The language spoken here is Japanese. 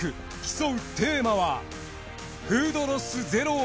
競うテーマは。